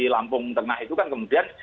lampung tengah itu kan kemudian